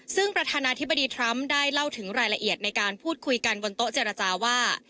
ซึ่งประธานาธิบดีทรัมป์ได้เล่าถึงรายละเอียดในการพูดคุยกันบนโต๊ะเจรจาว่า